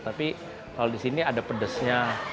tapi kalau di sini ada pedesnya